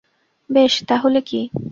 বেশ, তাহলে কী?